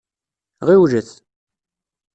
Ɣiwlet.